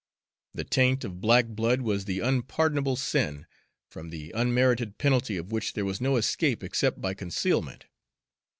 The taint of black blood was the unpardonable sin, from the unmerited penalty of which there was no escape except by concealment.